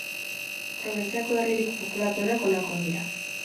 Probintziako herririk populatuenak honakoak dira.